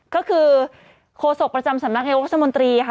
ก็คือโฆษกประจำสำนักนายกรัฐมนตรีค่ะ